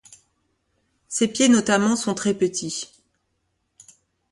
Ses pieds notamment sont très petits.